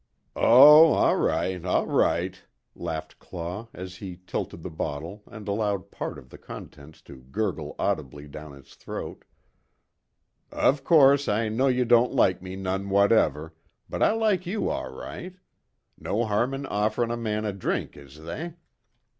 "Oh, all right, all right," laughed Claw as he tilted the bottle and allowed part of the contents to gurgle audibly down his throat, "Of course I know you don't like me none whatever, but I like you all right. No harm in offerin' a man a drink, is they?"